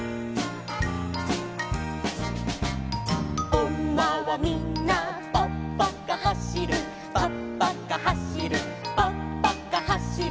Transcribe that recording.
「おんまはみんなぱっぱかはしる」「ぱっぱかはしるぱっぱかはしる」